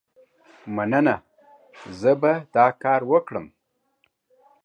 مننه، زه به دا کار وکړم.